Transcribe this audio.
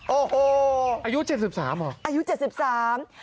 โอ้โหอายุเจ็ดสิบสามเหรออายุเจ็ดสิบสาม